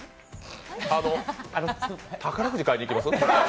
あの宝くじ、買いに行きます？